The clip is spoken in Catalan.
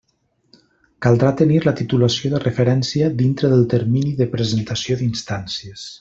Caldrà tenir la titulació de referència dintre del termini de presentació d'instàncies.